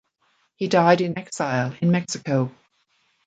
He died in exile in Mexico.